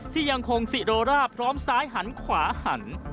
ที่ยังคงสิโรร่าพร้อมซ้ายหันขวาหัน